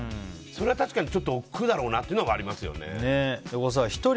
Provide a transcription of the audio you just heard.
それは確かにおっくうだろうなというのはありますよね。